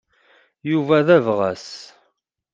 Yuba d abɣas.